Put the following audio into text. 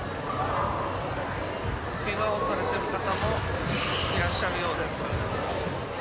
けがをされてる方もいらっしゃるようです。